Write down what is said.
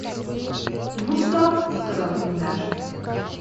«Ну, что? – сказала комендантша.